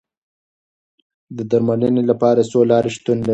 د درملنې لپاره څو لارې شتون لري.